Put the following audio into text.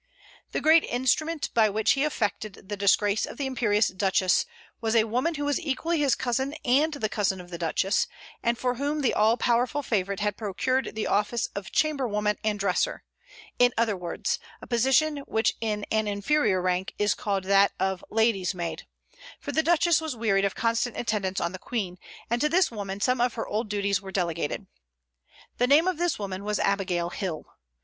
The great instrument by which he effected the disgrace of the imperious Duchess was a woman who was equally his cousin and the cousin of the Duchess, and for whom the all powerful favorite had procured the office of chamber woman and dresser, in other words, a position which in an inferior rank is called that of lady's maid; for the Duchess was wearied of constant attendance on the Queen, and to this woman some of her old duties were delegated. The name of this woman was Abigail Hill.